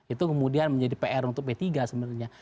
itu kemudian menjadi pr untuk p tiga sebenarnya